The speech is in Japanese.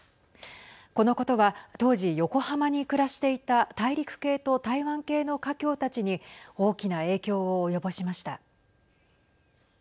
このことは当時横浜に暮らしていた大陸系と台湾系の華僑たちに大きな影響を及ぼしました。